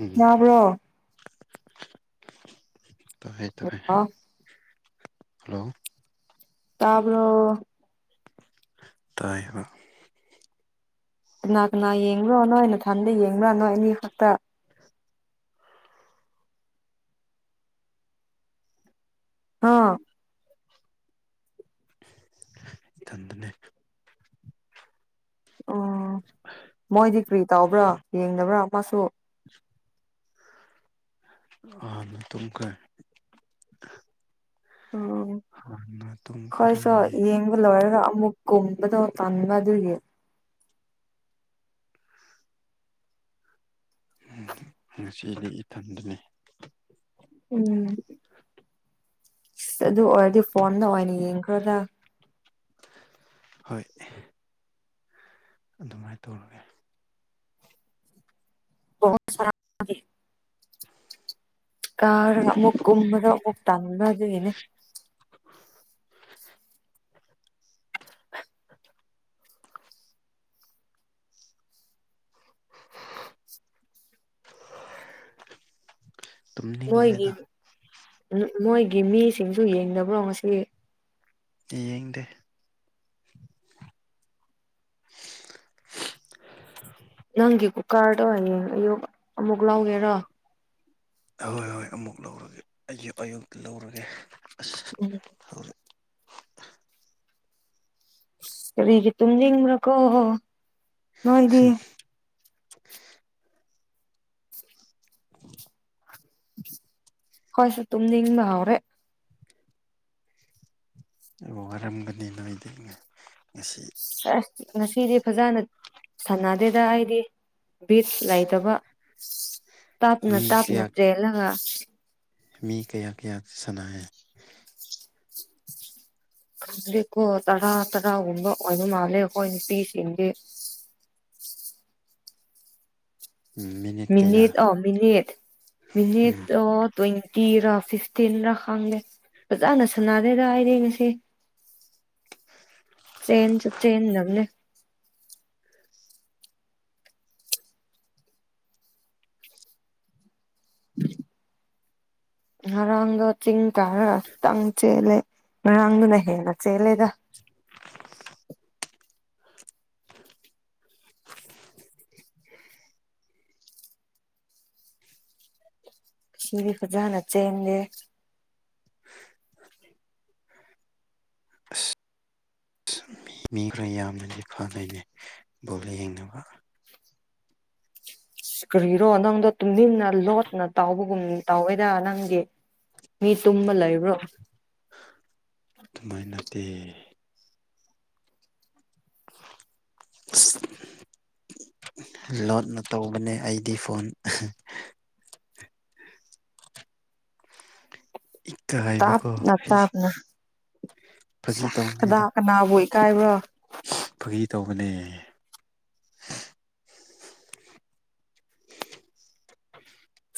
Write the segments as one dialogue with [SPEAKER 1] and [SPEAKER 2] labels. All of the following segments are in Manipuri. [SPEAKER 1] ꯎꯝ
[SPEAKER 2] ꯇꯥꯕ꯭ꯔꯣ
[SPEAKER 1] ꯇ ꯍꯦ ꯇ ꯍꯦ ꯍꯜꯂꯣ
[SPEAKER 2] ꯇꯥꯕ꯭ꯔꯣ
[SPEAKER 1] ꯇꯥꯏ ꯍꯥꯏꯕ
[SPEAKER 2] ꯀꯅꯥ ꯀꯅꯥ ꯌꯦꯡꯕ꯭ꯔꯣ ꯅꯣꯏ ꯅꯊꯟꯗ ꯌꯦꯡꯕ꯭ꯔꯥ ꯅꯣꯏ ꯑꯅꯤ ꯈꯛꯇ ꯍ
[SPEAKER 1] ꯏꯊꯟꯗꯅꯦ
[SPEAKER 2] ꯑꯣ ꯃꯣꯏꯗꯤ ꯀꯔꯤ ꯇꯥꯎꯕ꯭ꯔꯥ ꯌꯦꯡꯗꯕ꯭ꯔꯣ ꯃꯥꯁꯨ
[SPEAKER 1] ꯇꯨꯝꯈꯔꯦ
[SPEAKER 2] ꯑꯣ
[SPEAKER 1] ꯍꯥꯟꯅ ꯇꯨꯝꯈ꯭ꯔꯦ
[SPEAKER 2] ꯈꯣꯏꯁꯣ ꯌꯦꯡ ꯂꯣꯏꯔꯒ ꯑꯃꯨꯛ ꯀꯨꯝꯕꯗꯣ ꯇꯟꯕ ꯑꯗꯨꯒꯤ
[SPEAKER 1] ꯍꯦꯡ ꯉꯁꯤꯗꯤ ꯏꯊꯟꯗꯨꯅꯤ
[SPEAKER 2] ꯎꯝ ꯑꯗꯨ ꯑꯣꯏꯔꯗꯤ ꯐꯣꯟꯅ ꯑꯣꯏꯅ ꯌꯦꯡꯈ꯭ꯔꯗ
[SPEAKER 1] ꯍꯣꯏ ꯑꯗꯨꯃꯥꯏꯅ ꯇꯧꯔꯒꯦ
[SPEAKER 2] ꯣ ꯁꯔꯥꯦ ꯀꯥꯔꯒ ꯑꯃꯨꯛ ꯀꯨꯝꯕꯒ ꯑꯃꯨꯛ ꯇꯪꯕ ꯑꯗꯨꯒꯤꯅꯦ ꯃꯣꯏꯒꯤ
[SPEAKER 1] ꯇꯨꯝꯅꯤꯡꯈ꯭ꯔꯦꯗ
[SPEAKER 2] ꯃꯣꯏꯒꯤ ꯃꯤꯁꯤꯡꯁꯨ ꯌꯦꯡꯗꯕ꯭ꯔꯣ ꯉꯁꯤ
[SPEAKER 1] ꯌꯦꯌꯦꯡꯗꯦ
[SPEAKER 2] ꯅꯪꯒꯤ ꯀꯨꯀꯔꯗꯣ ꯍꯌꯦꯡ ꯑꯌꯨꯛ ꯑꯃꯨꯛ ꯂꯧꯒꯦꯔꯣ
[SPEAKER 1] ꯍꯍꯣꯏ ꯍꯣꯏ ꯑꯃꯨꯛ ꯂꯧꯔꯒꯦ ꯑꯌꯨꯛ ꯑꯌꯨꯛꯇ ꯂꯧꯔꯒꯦ ꯑꯁ
[SPEAKER 2] ꯎꯝ
[SPEAKER 1] ꯍꯧꯖꯤꯛ
[SPEAKER 2] ꯀꯔꯤꯒꯤ ꯇꯨꯝꯅꯤꯡꯤꯡꯕ꯭ꯔꯥꯀꯣ ꯅꯣꯏꯗꯤ ꯍꯣꯏ ꯁ ꯇꯨꯝꯅꯤꯡꯕ ꯍꯧꯥꯎꯔꯦ
[SPEAKER 1] ꯑꯩꯕꯨ ꯋꯥꯔꯝꯒꯅꯤ ꯅꯣꯏꯗꯤꯉ
[SPEAKER 2] ꯑꯁ ꯉꯁꯤꯗꯤ ꯐꯖꯅ ꯁꯥꯟꯅꯗꯦꯗ ꯑꯩꯗꯤ ꯕꯤꯠ ꯂꯩꯇꯕ ꯇꯥꯞꯅ
[SPEAKER 1] ꯃꯤ
[SPEAKER 2] ꯇꯥꯞꯅ
[SPEAKER 1] ꯀꯌꯥ
[SPEAKER 2] ꯆꯦꯜꯂꯒ
[SPEAKER 1] ꯃꯤ ꯀꯌꯥ ꯀꯌꯥ ꯁꯥꯟꯅꯦ
[SPEAKER 2] ꯗꯤꯀꯣ ꯇꯔꯥ ꯇꯔꯥꯒꯨꯝꯕ ꯑꯣꯏꯕ ꯃꯥꯜꯂꯦ ꯑꯩꯈꯣꯏ ꯅꯨꯄꯤꯁꯤꯡꯁ ꯃꯤꯅꯤꯠ ꯑ ꯃꯤꯅꯤꯠ ꯃꯤꯅꯤꯠ
[SPEAKER 1] ꯎꯝ
[SPEAKER 2] ꯑ ꯇ꯭ꯋꯦꯟꯇꯤꯔꯥ ꯐꯤꯐꯇꯤꯟꯔ ꯈꯥꯡꯗꯦ ꯐꯖꯅ ꯁꯥꯟꯅꯔꯦꯔ ꯍꯥꯏꯔꯦ ꯉꯁꯤꯦ ꯇ꯭ꯔꯦꯟ ꯆ ꯇ꯭ꯔꯦꯦꯟ ꯂꯕꯅꯦ ꯉꯔꯥꯡꯗꯣ ꯆꯤꯡ ꯀꯥꯔꯛꯇꯪ ꯆꯦꯜꯂꯦ ꯉꯔꯥꯡꯗꯨꯅ ꯍꯦꯟꯅ ꯆꯦꯜꯂꯦꯗ ꯕꯤ ꯐꯖꯥ ꯅꯆꯦꯦ
[SPEAKER 1] ꯃꯤ ꯈꯔ ꯌꯥꯝꯅꯗꯤ ꯐꯥ ꯂꯩꯅꯩ ꯕꯣꯠ ꯌꯦꯡꯅꯕ
[SPEAKER 2] ꯀꯔꯤꯔꯣ ꯅꯪꯗꯣ ꯇꯨꯃꯤꯟꯅ ꯂꯣꯠꯅ ꯇꯥꯎꯕꯒꯨꯝ ꯇꯧꯋꯦꯗ ꯅꯪꯒꯤ ꯃꯤ ꯇꯨꯝꯕ ꯂꯩꯕ꯭ꯔꯣ
[SPEAKER 1] ꯑꯗꯨꯃꯥꯏ ꯅꯠꯇꯦ ꯑꯁ ꯂꯣꯠꯅ ꯇꯧꯕꯅꯦ ꯑꯩꯗꯤ ꯐꯣꯟ ꯏꯀꯥꯏꯕꯀꯣ
[SPEAKER 2] ꯇꯥꯞꯅ
[SPEAKER 1] ꯑꯩꯁ
[SPEAKER 2] ꯇꯥꯞꯅ
[SPEAKER 1] ꯐꯥꯒꯤ
[SPEAKER 2] ꯁꯥꯁ ꯀꯅꯥ
[SPEAKER 1] ꯇꯧꯕꯅꯤꯗ
[SPEAKER 2] ꯀꯅꯥꯕꯨ ꯏꯀꯥꯏꯕ꯭ꯔꯣ
[SPEAKER 1] ꯐꯥꯒꯤ ꯇꯧꯕꯅꯦ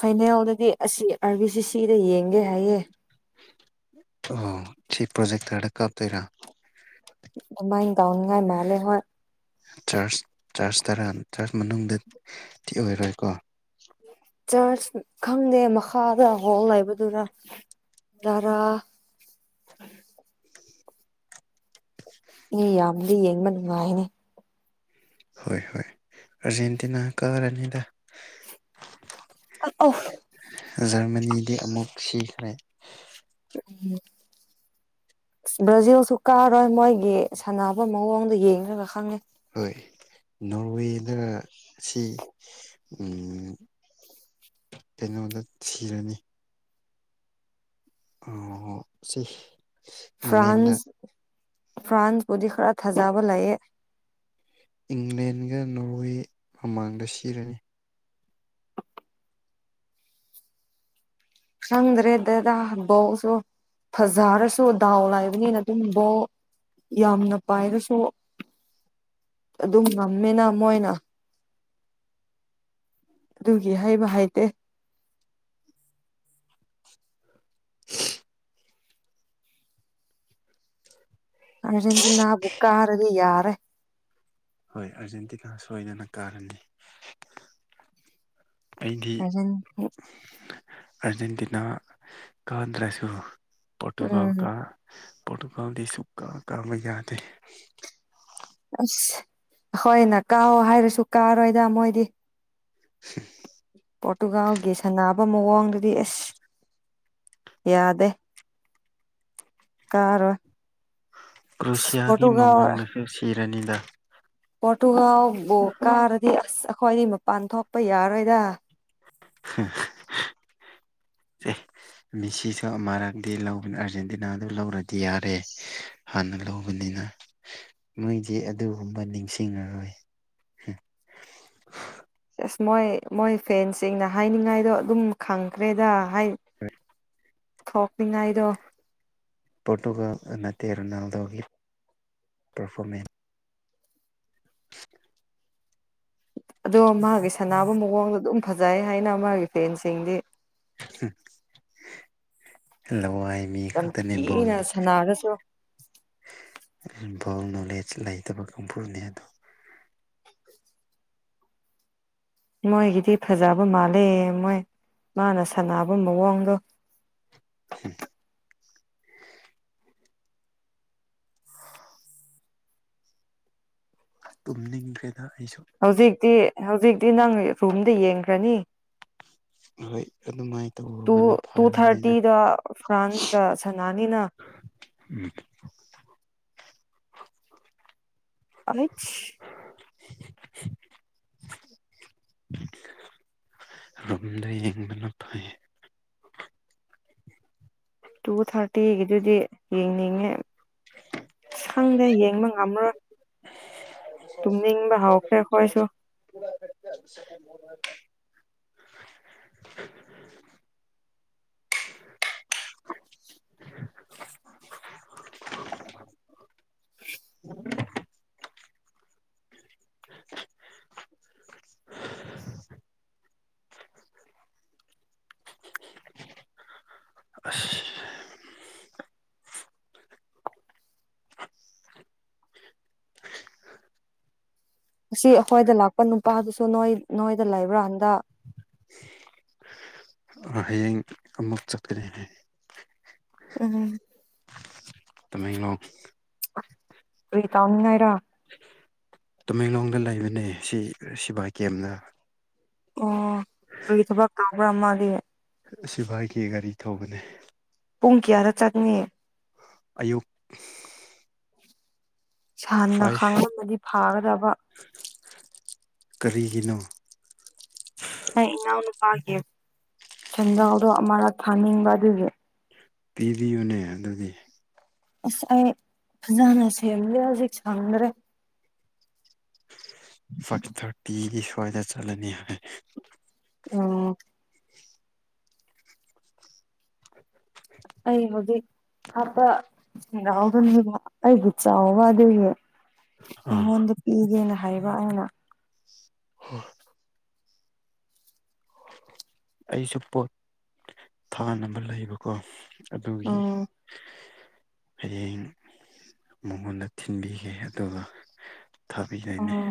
[SPEAKER 2] ꯐꯥꯏꯅꯦꯜꯗꯗꯤ ꯑꯁꯤ ꯑꯥꯔꯕꯤ ꯁꯤ ꯁꯤꯗ ꯌꯦꯡꯒꯦ ꯍꯥꯏꯌꯦ
[SPEAKER 1] ꯑꯣ ꯁꯤ ꯄ꯭ꯔꯣꯖꯦꯛꯇꯔꯗ ꯀꯥꯞꯇꯣꯏꯔꯥ
[SPEAKER 2] ꯑꯗꯨꯃꯥꯏ ꯇꯧꯅꯤꯉꯥꯏ ꯃꯥꯜꯂꯦ ꯍꯣꯏ
[SPEAKER 1] ꯆꯔꯆ ꯆꯔꯆ ꯇꯔꯥ ꯆꯥꯔꯆ ꯃꯅꯨꯡꯗꯗꯤ ꯑꯣꯏꯔꯣꯏꯀꯣ
[SPEAKER 2] ꯆꯔꯆ ꯈꯪꯗꯦ ꯃꯈꯥꯗ ꯍꯣꯜ ꯂꯩꯕꯗꯨꯔ ꯗꯔꯥ ꯃꯤ ꯌꯥꯝꯃꯗꯤ ꯌꯦꯡꯕ ꯅꯨꯡꯉꯥꯏꯅꯤ
[SPEAKER 1] ꯍꯣꯏ ꯍꯣꯏ ꯑꯔꯖꯦꯟꯇꯤꯅꯥ ꯀꯔꯔꯥꯅꯤꯗ
[SPEAKER 2] ꯑꯥ ꯑꯣ
[SPEAKER 1] ꯖꯔꯃꯅꯤꯗꯤ ꯑꯃꯨꯛ ꯁꯤꯈ꯭ꯔꯦ
[SPEAKER 2] ꯎꯝ ꯕ꯭ꯔꯥꯖꯤꯜꯁꯨ ꯀꯥꯔꯣꯏ ꯃꯣꯏꯒꯤ ꯁꯥꯟꯅꯕ ꯃꯑꯣꯡꯗ ꯌꯦꯡꯉꯒ ꯈꯪꯉꯦ
[SPEAKER 1] ꯍꯣꯏ ꯅꯣꯔꯋꯦꯗ ꯁꯤ ꯎꯝ ꯀꯩꯅꯣꯗ ꯊꯤꯔꯅꯤ ꯑꯣ ꯁꯤ ꯏꯪꯂꯦꯟꯗ
[SPEAKER 2] ꯐ꯭ꯔꯥꯟꯁ ꯐ꯭ꯔꯥꯟꯁ ꯄꯨꯗꯤ ꯈꯔ ꯊꯥꯖꯥꯕ ꯂꯩꯌꯦ
[SPEAKER 1] ꯏꯪꯂꯦꯟꯒ ꯅꯣꯔꯋꯦ ꯃꯃꯥꯡꯗ ꯁꯤꯔꯅꯤ
[SPEAKER 2] ꯈꯪꯗ꯭ꯔꯦ ꯗꯦꯗ ꯕꯣꯜꯁꯨ ꯐꯖꯔꯁꯨ ꯗꯥꯎ ꯂꯥꯏꯕꯅꯤꯅ ꯑꯗꯨꯝ ꯕꯣꯜ ꯌꯥꯝꯅ ꯄꯥꯏꯔꯁꯨ ꯑꯗꯨꯝ ꯉꯝꯃꯦꯅ ꯃꯣꯏꯅ ꯑꯗꯨꯒꯤ ꯍꯥꯏꯕ ꯍꯩꯇꯦ
[SPEAKER 1] [unintelligible]
[SPEAKER 2] ꯑꯥꯔꯖꯦꯟꯇꯤꯅꯕꯨ ꯀꯥꯔꯗꯤ ꯌꯥꯔꯦ
[SPEAKER 1] ꯍꯣꯏ ꯑꯥꯔꯖꯦꯟꯇꯤꯅꯥ ꯁꯣꯏꯗꯅ ꯀꯥꯔꯅꯤ ꯑꯩꯗꯤ
[SPEAKER 2] ꯑꯥꯔꯖꯦꯟ
[SPEAKER 1] ꯑꯥꯔꯖꯦꯟꯇꯤꯅꯥ ꯀꯗ꯭ꯔꯁꯨ
[SPEAKER 2] ꯎꯝ
[SPEAKER 1] ꯄꯣꯔꯇꯨꯒꯥꯜꯀ ꯄꯣꯔꯇꯨꯒꯜꯗꯤ ꯁꯨꯀꯥ ꯀꯥꯕ ꯌꯥꯗꯦ
[SPEAKER 2] ꯑꯁ ꯑꯩꯈꯣꯏꯅ ꯀꯥꯎꯑꯣ ꯍꯥꯏꯔꯁꯨ ꯀꯥꯔꯣꯏꯗ ꯃꯣꯏꯗꯤ
[SPEAKER 1] [inaudible]
[SPEAKER 2] ꯄꯣꯔꯇꯨꯒꯥꯜꯒꯤ ꯁꯥꯟꯅꯕ ꯃꯑꯣꯡꯗꯨꯗꯤ ꯑꯦꯁ ꯌꯥꯗꯦ ꯀꯥꯔꯣꯏ
[SPEAKER 1] ꯀ꯭ꯔꯣꯁꯤꯌꯥꯒꯤ
[SPEAKER 2] ꯄꯣꯔꯇꯨꯒꯥꯜ
[SPEAKER 1] ꯃꯃꯥꯡꯗꯁꯨ ꯁꯤꯔꯅꯤꯗ
[SPEAKER 2] ꯄꯣꯔꯇꯨꯒꯥꯜꯕꯨ ꯀꯥꯔꯗꯤ ꯑꯁ ꯑꯩꯈꯣꯏꯗꯤ ꯃꯄꯥꯟ ꯊꯣꯛꯄ ꯌꯥꯔꯣꯏꯗ
[SPEAKER 1] [unintelligible] ꯑꯦ ꯃꯤꯁꯤꯁꯨ ꯑꯃꯛꯇꯗꯤ ꯂꯧꯅ ꯑꯥꯔꯖꯦꯟꯇꯤꯅꯥꯗꯨ ꯂꯧꯔꯗꯤ ꯌꯥꯔꯦ ꯍꯥꯟꯅ ꯂꯧꯕꯅꯤꯅ ꯃꯣꯏꯗꯤ ꯑꯗꯨꯒꯨꯝꯕ ꯅꯤꯡꯁꯤꯡꯉꯔꯣꯏ
[SPEAKER 2] ꯑꯁ ꯃꯣꯏ ꯃꯣꯏ ꯐꯦꯟꯁꯤꯡꯅ ꯍꯥꯏꯅꯤꯡꯉꯥꯏꯗꯣ ꯑꯗꯨꯝ ꯈꯪꯈ꯭ꯔꯦꯗ ꯍꯥꯏ
[SPEAKER 1] [inaudible]
[SPEAKER 2] ꯊꯣꯛꯅꯤꯡꯉꯥꯏꯗꯣ
[SPEAKER 1] ꯄꯣꯔꯇꯨꯒꯜ ꯅꯠꯇꯦ ꯔꯣꯅꯥꯜꯗꯣꯒꯤ ꯄꯔꯐꯣꯔꯃꯦꯟ
[SPEAKER 2] ꯑꯗꯣ ꯃꯥꯒꯤ ꯁꯥꯟꯅꯕ ꯃꯑꯣꯡꯗꯣ ꯑꯗꯨꯝ ꯐꯖꯩ ꯍꯥꯏꯅ ꯃꯥꯒꯤ ꯐꯦꯟꯁꯤꯡꯗꯤ
[SPEAKER 1] ꯂꯋꯥꯏ ꯃꯤ
[SPEAKER 2] ꯌꯥꯝ ꯀꯤꯅ
[SPEAKER 1] ꯈꯗꯅꯤꯕꯣꯟꯗꯣ
[SPEAKER 2] ꯁꯥꯟꯅꯔꯁꯨ
[SPEAKER 1] ꯚꯣꯜ ꯅꯣꯂꯦꯖ ꯂꯩꯇꯕ ꯀꯥꯡꯕꯨꯨꯅꯤ ꯑꯗꯣ
[SPEAKER 2] ꯃꯣꯏꯒꯤꯗꯤ ꯐꯖꯕ ꯃꯥꯜꯂꯦ ꯃꯣꯏ ꯃꯥꯅ ꯁꯥꯟꯅꯕ ꯃꯑꯣꯡꯗꯣ
[SPEAKER 1] ꯍꯝ ꯇꯨꯝꯅꯤꯡꯗ꯭ꯔꯦꯗ ꯑꯩꯁꯨ
[SPEAKER 2] ꯍꯧꯖꯤꯛꯇꯤ ꯍꯧꯖꯤꯛꯇꯤ ꯅꯪ ꯔꯨꯝꯗ ꯌꯦꯡꯈ꯭ꯔꯥꯅꯤ
[SPEAKER 1] ꯍꯣꯏ ꯑꯗꯨꯃꯥꯏꯅ
[SPEAKER 2] ꯇꯨ
[SPEAKER 1] ꯇꯧꯔꯨꯕꯅ
[SPEAKER 2] ꯇꯨ
[SPEAKER 1] ꯐꯔꯅꯤꯗ
[SPEAKER 2] ꯊꯥꯔꯇꯤꯗ ꯐ꯭ꯔꯥꯟꯁ ꯀꯥ ꯁꯟꯅꯅꯤꯅ inaudible
[SPEAKER 1] ꯎꯝ
[SPEAKER 2] [unintelligible]
[SPEAKER 1] [unintelligible] ꯔꯨꯝꯗ ꯌꯦꯡꯕꯅ ꯐꯩꯌꯦ
[SPEAKER 2] ꯇꯨ ꯊꯥꯔꯇꯤꯒꯤꯗꯨꯗꯤ ꯌꯦꯡꯅꯤꯡꯉꯦ ꯈꯪꯗꯦ ꯌꯦꯡꯕ ꯉꯝꯔꯣꯏ ꯍꯧꯈ꯭ꯔꯦ ꯑꯩꯈꯣꯏꯁꯨ
[SPEAKER 1] [inaudible] [unintelligible] [unintelligible] [unintelligible] ꯑꯁ
[SPEAKER 2] ꯉꯁꯤ ꯑꯩꯈꯣꯏꯗ ꯂꯥꯛꯄ ꯅꯨꯄꯥꯗꯨꯁꯨ ꯅꯣꯏ ꯅꯣꯏꯗ ꯂꯩꯕ꯭ꯔꯥ ꯍꯟꯗꯛ
[SPEAKER 1] ꯍꯌꯦꯡ ꯑꯃꯨꯛ ꯆꯠꯀꯅꯤ ꯍꯥꯏꯌꯦ
[SPEAKER 2] ꯎꯝ
[SPEAKER 1] [unintelligible]
[SPEAKER 2] ꯀꯔꯤꯇꯥꯎꯅꯤ ꯉꯥꯏꯔꯥ
[SPEAKER 1] ꯇꯃꯦꯡꯂꯣꯡꯗ ꯂꯩꯕꯅꯦ ꯁꯤ ꯁꯤꯕꯥꯏ ꯀꯦꯝꯗ
[SPEAKER 2] ꯑꯣ ꯀꯔꯤ ꯊꯕꯛ ꯀꯥꯕ꯭ꯔꯥ ꯃꯥꯗꯤ
[SPEAKER 1] ꯁꯤꯕꯥꯏꯒꯤ ꯒꯥꯔꯤ ꯊꯧꯕꯅꯦ
[SPEAKER 2] ꯄꯨꯡ ꯀꯌꯥꯗ ꯆꯪꯅꯤ
[SPEAKER 1] ꯑꯌꯨꯛ
[SPEAKER 2] ꯍꯥꯟꯅ
[SPEAKER 1] ꯐꯥꯏꯚ
[SPEAKER 2] ꯈꯪꯉꯝꯃꯥꯗꯤ ꯐꯥꯒꯗꯕ
[SPEAKER 1] ꯀꯔꯤꯒꯤꯅꯣ
[SPEAKER 2] ꯑꯩ ꯏꯅꯥꯎꯅꯨꯄꯥꯒꯤ ꯁꯦꯟꯖꯥꯎꯗꯣ ꯑꯃꯔꯛ ꯊꯥꯅꯤꯡꯕ ꯑꯗꯨꯗꯤ
[SPEAKER 1] ꯄꯤꯔꯤꯌꯨꯅꯦ ꯑꯗꯨꯗꯤ
[SPEAKER 2] ꯑꯁ ꯑꯩ ꯐꯖꯅ ꯁꯦꯝꯗꯦ ꯍꯧꯖꯤꯛ ꯁꯪꯡꯗ꯭ꯔꯦ
[SPEAKER 1] ꯐꯥꯚ ꯊꯥꯔꯇꯤꯒꯤ ꯁ꯭ꯋꯥꯏꯗ ꯆꯠꯂꯅꯤ ꯍꯥꯏ
[SPEAKER 2] ꯑꯣ ꯑꯩ ꯍꯧꯖꯤꯛ ꯑꯄꯥ ꯊꯦꯡꯅꯍꯧꯗꯝꯅꯦꯕ ꯑꯩꯒꯤ ꯆꯥꯎꯕ ꯑꯗꯨꯒꯤ
[SPEAKER 1] ꯑꯥ
[SPEAKER 2] ꯃꯉꯣꯟꯗ ꯄꯤꯒꯦꯅ ꯍꯥꯏꯕ ꯑꯩꯅ
[SPEAKER 1] ꯑꯩꯁꯨ ꯄꯣꯠ ꯊꯥꯅꯕ ꯂꯩꯕꯀꯣ ꯑꯗꯨꯒꯤ
[SPEAKER 2] ꯎꯝ
[SPEAKER 1] ꯍꯌꯦꯡ ꯃꯉꯣꯟꯗ ꯊꯤꯟꯕꯤꯒꯦ ꯑꯗꯨꯒ ꯊꯥꯕꯤꯗꯣꯏꯅꯦ
[SPEAKER 2] ꯎꯝ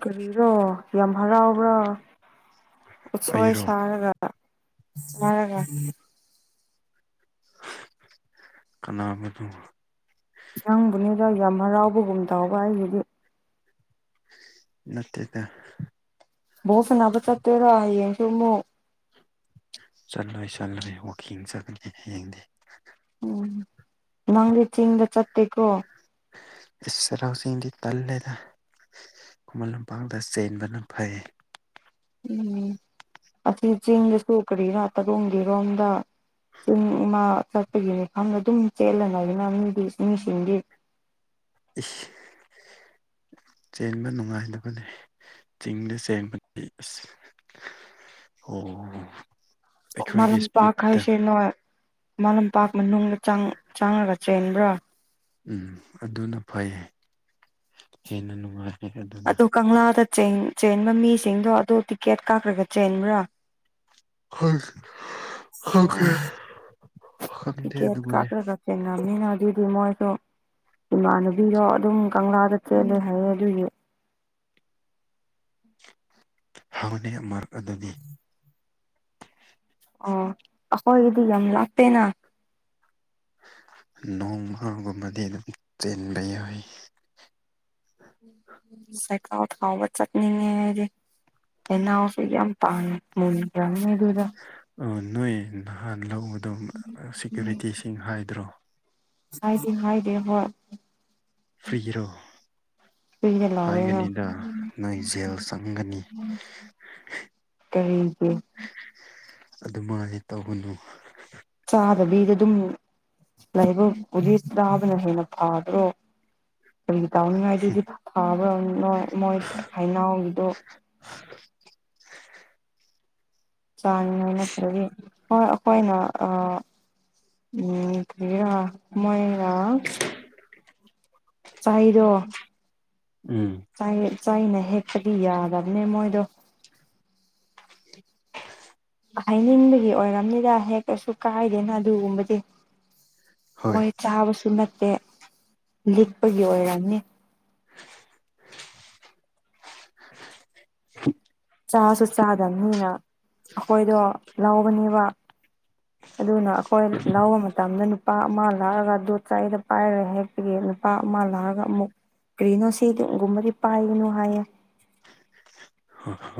[SPEAKER 2] ꯀꯔꯤꯔꯣ ꯌꯥꯝ ꯍꯔꯥꯎꯕ꯭ꯔꯣ ꯎꯠꯁꯣꯏ
[SPEAKER 1] ꯑꯩꯔꯣ
[SPEAKER 2] ꯁꯥꯔꯒ ꯁꯥꯔꯒ
[SPEAKER 1] ꯀꯅꯥꯕꯨꯅꯣ
[SPEAKER 2] ꯅꯪꯕꯨꯅꯤꯗ ꯌꯥꯝ ꯍꯔꯥꯎꯕꯒꯨꯝ ꯇꯧꯕ ꯑꯩꯒꯤꯗꯤ
[SPEAKER 1] ꯅꯠꯇꯦꯗꯥ
[SPEAKER 2] ꯕꯣꯜ ꯁꯥꯟꯅꯕ ꯆꯠꯇꯣꯏꯔꯣ ꯍꯌꯦꯡꯁꯨ ꯃꯨꯛ
[SPEAKER 1] ꯆꯠꯂꯣꯏ ꯆꯠꯂꯣꯏ ꯋꯥꯛꯀꯤꯡ ꯆꯠꯂꯅꯤ ꯍꯌꯦꯡꯗꯤ
[SPEAKER 2] ꯎꯝ ꯅꯪꯗꯤ ꯆꯤꯡꯗꯥ ꯆꯠꯇꯦꯀꯣ
[SPEAKER 1] ꯆꯩꯔꯥꯎ ꯆꯤꯡꯗꯤ ꯇꯜꯂꯦꯗ ꯈꯨꯃꯟ ꯂꯝꯄꯥꯡꯇ ꯆꯦꯟꯕꯅ ꯐꯩ
[SPEAKER 2] ꯎꯝ ꯑꯁꯤ ꯆꯤꯡꯗꯁꯨ ꯀꯔꯤꯔꯥ ꯇꯔꯣꯝꯒꯤꯔꯣꯝꯗ ꯆꯤꯡ ꯏꯃꯥ ꯆꯠꯄꯒꯤ ꯃꯤꯐꯝꯗ ꯑꯗꯨꯝ ꯆꯦꯜꯂ ꯂꯩꯕꯅꯥ ꯃꯤꯗꯤ ꯃꯤꯁꯤꯡꯗꯤ
[SPEAKER 1] ꯏꯁ ꯆꯦꯟꯕ ꯅꯨꯡꯉꯥꯏꯅꯕꯅꯤ ꯆꯤꯡꯗ ꯆꯦꯟꯕꯗꯤ ꯑꯁ ꯑꯣ
[SPEAKER 2] ꯈꯨꯃꯟ
[SPEAKER 1] ꯑꯩꯈꯣꯏꯒꯤ ꯏꯁꯄꯤꯠꯇ
[SPEAKER 2] ꯂꯝꯄꯥꯛ ꯥꯏꯁꯦ ꯅꯣꯏ ꯈꯨꯃꯟ ꯂꯝꯄꯥꯛ ꯃꯅꯨꯡꯗ ꯆꯪ ꯆꯪꯔꯒ ꯆꯦꯟꯕ꯭ꯔꯥ
[SPEAKER 1] ꯎꯝ ꯑꯗꯨꯅ ꯐꯩ ꯍꯦꯟꯅ ꯅꯨꯡꯉꯥꯏ
[SPEAKER 2] ꯑ
[SPEAKER 1] ꯑꯗꯨꯅ
[SPEAKER 2] ꯀꯪꯂꯥꯗ ꯆꯦꯟꯕ ꯃꯤꯁꯤꯡꯗꯣ ꯑꯗꯨꯣ ꯇꯤꯀꯦꯠ ꯀꯥꯈ꯭ꯔꯒ ꯆꯦꯟꯕ꯭ꯔꯥ
[SPEAKER 1] ꯍ ꯍꯦ
[SPEAKER 2] ꯑꯣ
[SPEAKER 1] ꯁꯗꯦ ꯑꯗꯨ ꯑꯗꯨ ꯃꯅꯦꯦ
[SPEAKER 2] ꯆꯦꯡꯃꯤꯅ ꯑꯗꯨꯗꯤ ꯃꯣꯏꯁꯨ ꯏꯃꯥꯟꯅꯨꯕꯤꯗꯣ ꯑꯗꯨꯝ ꯀꯪꯂꯥꯗ ꯆꯦꯜꯂꯦ ꯍꯥꯏꯌꯦ ꯑꯗꯨꯏꯒꯤ
[SPEAKER 1] ꯍꯥꯎꯅ ꯃꯥꯔꯛ ꯑꯗꯨ
[SPEAKER 2] ꯑꯣ ꯑꯩꯈꯣꯏꯒꯤꯗꯤ ꯌꯥꯝ ꯂꯥꯞꯄꯦꯅ
[SPEAKER 1] ꯅꯣꯡꯃꯥꯒꯨꯝꯕꯗꯤ ꯑꯗꯨꯝ ꯆꯦꯟꯕ ꯌꯥꯏ
[SPEAKER 2] ꯁꯀꯥꯥꯆꯠꯅꯤꯗꯤ ꯑꯦꯟꯅ ꯑꯣ ꯁꯤ ꯄ ꯃꯟꯖꯝ
[SPEAKER 1] ꯑ ꯅꯣꯏ ꯅꯍꯥꯟ ꯂꯧꯕꯗꯣ ꯁꯦꯀ꯭ꯌꯨꯔꯤꯇꯤꯁꯤꯡ ꯍꯥꯏꯗ꯭ꯔꯣ
[SPEAKER 2] ꯁꯥꯏꯁꯤ ꯍꯥꯏꯥꯏꯗꯦ ꯍꯣꯏ
[SPEAKER 1] ꯐꯤꯔꯣ
[SPEAKER 2] ꯐ꯭ꯔꯤꯗ ꯂꯧꯋꯦꯅ
[SPEAKER 1] ꯍꯥꯏꯒꯅꯤꯗ ꯅꯣꯏ ꯖꯦꯜ ꯆꯪꯒꯅꯤ
[SPEAKER 2] ꯀꯩꯁꯨ
[SPEAKER 1] ꯑꯗꯨꯃꯥꯏꯅ ꯇꯧꯒꯅꯨ
[SPEAKER 2] ꯆꯥꯗꯕꯤꯗ ꯑꯗꯨꯝ ꯂꯥꯏꯕꯛꯕꯨꯗꯤ ꯆꯥꯕꯅ ꯍꯦꯟꯅ ꯐꯥꯕ꯭ꯔꯣ ꯀꯒꯤ ꯇꯥꯎꯅꯤꯡꯉꯥꯏꯗꯨꯗꯤ ꯐꯕ꯭ꯔꯥ ꯃꯣꯏ ꯍꯅꯥꯎꯒꯤꯗꯣ
[SPEAKER 1] ꯁ
[SPEAKER 2] ꯆꯥꯅꯤꯡꯉꯥꯏ ꯅꯠꯇ꯭ꯔꯗꯤ ꯍꯣꯏ ꯑꯩꯈꯣꯏꯅ ꯎꯝ ꯀꯔ ꯃꯔ ꯆꯔꯣ
[SPEAKER 1] ꯎꯝ
[SPEAKER 2] ꯆꯥꯏꯅ ꯍꯦꯛꯄꯗꯤ ꯌꯥꯗꯕꯅꯦ ꯃꯣꯏꯗꯣ ꯍꯥꯏꯅꯤꯡꯕꯒꯤ ꯑꯣꯏꯔꯕꯝꯅꯤꯅ ꯍꯦꯛꯇꯁꯨ ꯀꯥꯏꯗꯦꯅ ꯑꯗꯨꯒꯨꯝꯕꯗꯤ
[SPEAKER 1] ꯍꯣꯏ
[SPEAKER 2] ꯃꯣꯏ ꯆꯥꯕꯁꯨ ꯅꯠꯇꯦ ꯂꯤꯛꯄꯒꯤ ꯑꯣꯏꯔꯝꯅꯤ ꯆꯥꯁꯨ ꯆꯥꯗꯕꯅꯤꯅ ꯑꯩꯈꯣꯏꯗꯣ ꯂꯧꯕꯅꯦꯕ ꯑꯗꯨꯅ ꯑꯩꯈꯣꯏ ꯂꯧꯕ ꯃꯇꯝꯗ ꯅꯨꯄꯥ ꯑꯃ ꯂꯥꯛꯑꯒ ꯗꯣꯠ ꯆꯥꯏꯗ ꯄꯥꯏꯔꯦ ꯍꯦꯛ ꯑꯩꯈꯣꯏꯒꯤ ꯅꯨꯄꯥ ꯑꯃ ꯂꯥꯛꯑꯒ ꯑꯃꯨꯛ ꯀꯔꯤꯅꯣ ꯁꯤꯗꯨꯒꯨꯝꯕꯗꯤ ꯄꯥꯏꯒꯅꯨ ꯍꯥꯏꯌꯦ
[SPEAKER 1] ꯍ